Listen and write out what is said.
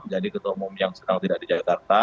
jadi ketua umum yang sedang tidak di jakarta